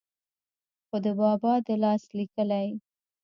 خو دَبابا دَلاس ليکلې